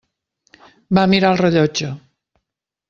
Va mirar el rellotge.